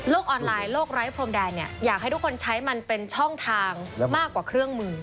ออนไลน์โลกไร้พรมแดนเนี่ยอยากให้ทุกคนใช้มันเป็นช่องทางมากกว่าเครื่องมือ